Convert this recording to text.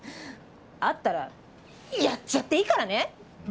会ったらやっちゃっていいからね。